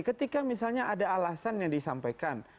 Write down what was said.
ketika misalnya ada alasan yang disampaikan